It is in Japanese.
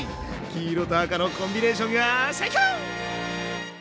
黄色と赤のコンビネーションが最高！